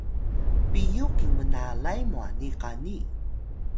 piyux kinbnalay mwani qani